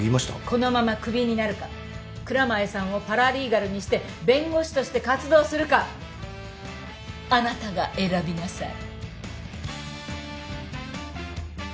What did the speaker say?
このまま首になるか蔵前さんをパラリーガルにして弁護士として活動するかあなたが選びなさい。